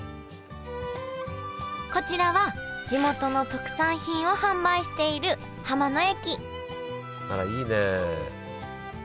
こちらは地元の特産品を販売している浜の駅あらいいね。